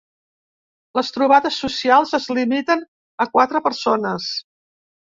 Les trobades socials es limiten a quatre persones.